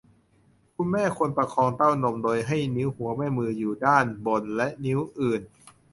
คุณแม่ควรประคองเต้านมโดยให้นิ้วหัวแม่มืออยู่ด้านบนและนิ้วอื่น